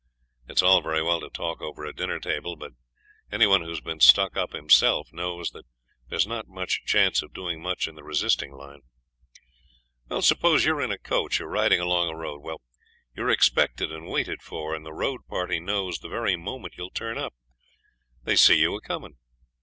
It's all very well to talk over a dinner table, but any one who's been stuck up himself knows that there's not much chance of doing much in the resisting line. Suppose you're in a coach, or riding along a road. Well, you're expected and waited for, and the road party knows the very moment you'll turn up. They see you a coming.